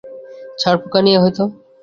ছারপোকা নিয়ে হয়ত?